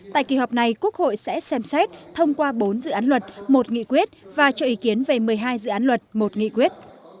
tại kỳ họp này quốc hội sẽ xem xét thông qua bốn dự án luật một nghị quyết và cho ý kiến về một mươi hai dự án luật một nghị quyết